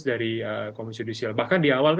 dari komisi judisial bahkan di awal